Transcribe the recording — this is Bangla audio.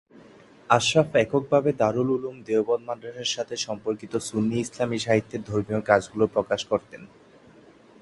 আশরাফ এককভাবে দারুল উলূম দেওবন্দ মাদ্রাসার সাথে সম্পর্কিত সুন্নি ইসলামী সাহিত্যের ধর্মীয় কাজগুলো প্রকাশ করতেন।